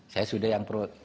saya sudah yang projustisia